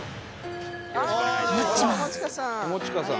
友近さん。